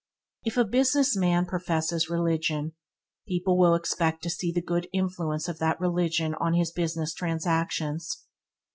If a business man profess religion, people will expect to see the good influence of that religion on his business transactions.